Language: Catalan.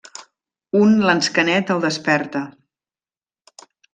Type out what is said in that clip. Un lansquenet el desperta.